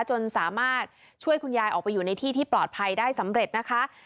จนสามารถช่วยคุณยายออกไปอยู่ในที่ที่ปลอดภัยได้สำเร็จนะคะ